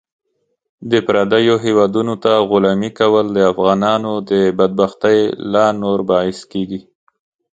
د پردیو هیوادونو ته غلامي کول د افغانانو د بدبختۍ لا نور باعث کیږي .